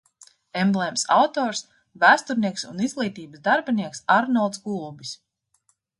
Emblēmas autors: vēsturnieks un izglītības darbinieks Arnolds Gulbis.